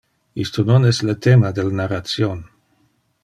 Isto non es le thema del narration.